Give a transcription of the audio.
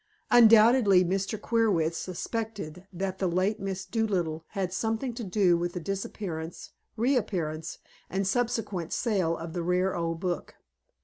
Undoubtedly Mr. Queerwitz suspected that the late Miss Dolittle had something to do with the disappearance, reappearance and subsequent sale of the rare old book.